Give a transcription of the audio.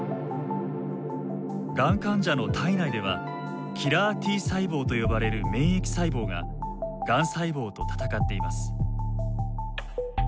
がん患者の体内ではキラーＴ細胞と呼ばれる免疫細胞ががん細胞と戦っています。